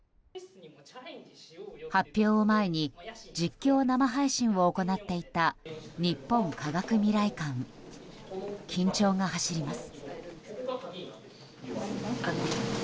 発表を前に実況生配信を行っていた日本科学未来館緊張が走ります。